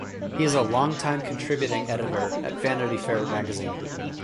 He is a longtime contributing editor at "Vanity Fair" magazine.